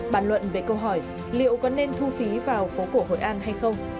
bàn luận về câu hỏi liệu có nên thu phí vào phố cổ hội an hay không